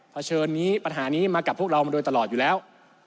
เฉินนี้ปัญหานี้มากับพวกเรามาโดยตลอดอยู่แล้ว